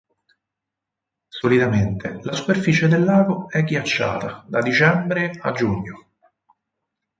Solitamente la superficie del lago è ghiacciata da dicembre a giugno.